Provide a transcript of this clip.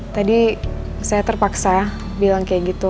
tadi saya terpaksa bilang kayak gitu